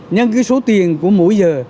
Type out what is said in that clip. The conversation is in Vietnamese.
nhưng cái số tiền của mỗi giờ